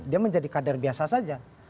dia menjadi kader biasa saja